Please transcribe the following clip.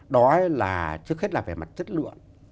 đó là trước hết là về mặt chất lượng